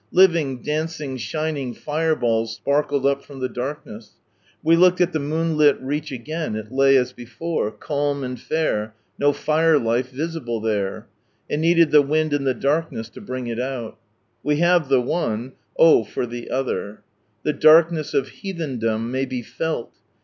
Living, dancing shining tire balls sparkled up from the dark ness. We looked at the moonlit reach again, it lay as before, calm and fair, no fire life visible there. It needed the wind and the darkness to bring it out. We have the one. Oh for the other ' The darkness of heathendom may be felt.